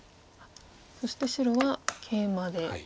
そして白はケイマで。